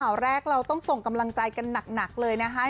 ข่าวแรกเราต้องส่งกำลังใจกันหนักเลยนะคะ